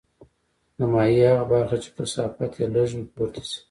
د مایع هغه برخه چې کثافت یې لږ وي پورته ځي.